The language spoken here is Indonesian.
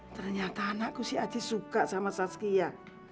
ternyata anakku si ajis suka sama saskia